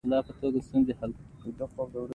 یوه بل تن د شا له خوا ونیولم، لاس یې په اوږه کې.